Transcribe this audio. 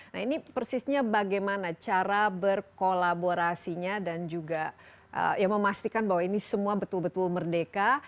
nah ini persisnya bagaimana cara berkolaborasinya dan juga ya memastikan bahwa ini semua betul betul merdeka